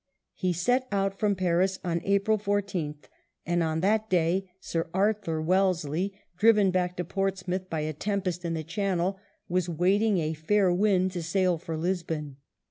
He set out from Paris on April 14th, and on that day Sir Arthur Wellesley, driven back to Portsmouth by a tempest in the Channel, was waiting a fair wind to sail for Lisbon.